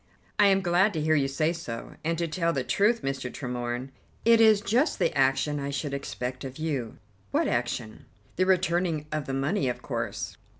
"I am glad to hear you say so, and to tell the truth, Mr. Tremorne, it is just the action I should expect of you." "What action?" "The returning of the money, of course."